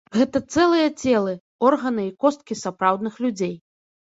Гэта цэлыя целы, органы і косткі сапраўдных людзей.